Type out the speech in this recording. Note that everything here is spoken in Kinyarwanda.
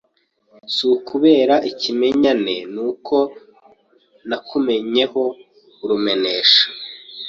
Si ukubera ikimenyanen’ uko nakumenyeho urumenesha